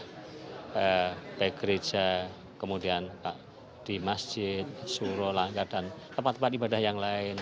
ibadah baik gereja kemudian di masjid suruh langkah dan tempat tempat ibadah yang lain